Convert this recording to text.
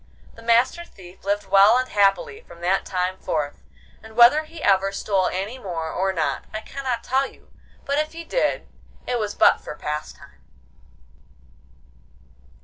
The Master Thief lived well and happily from that time forth, and whether he ever stole any more or not I cannot tell you, but if he did it was but for pastime.